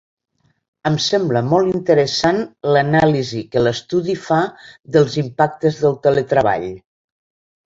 Em sembla molt interessant l’anàlisi que l’estudi fa dels impactes del teletreball.